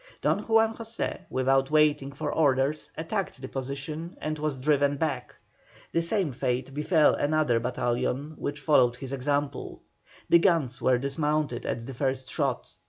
Don Juan José, without waiting for orders, attacked the position and was driven back; the same fate befell another battalion which followed his example. The guns were dismounted at the first shot.